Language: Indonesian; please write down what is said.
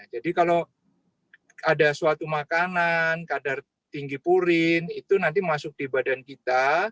jadi kalau ada suatu makanan kadar tinggi purin itu nanti masuk di badan kita